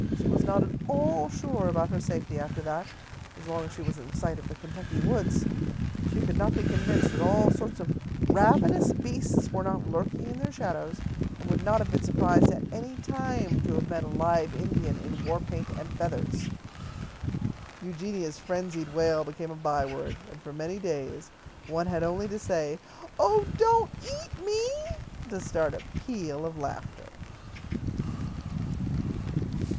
She was not at all sure about her safety after that, as long as she was in sight of the Kentucky woods. She could not be convinced that all sorts of ravenous beasts were not lurking in their shadows, and would not have been surprised at any time to have met a live Indian in war paint and feathers. Eugenia's frenzied wail became a byword, and for many days one had only to say, "Oh, don't eat me!" to start a peal of laughter.